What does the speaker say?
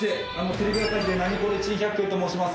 テレビ朝日で『ナニコレ珍百景』と申します。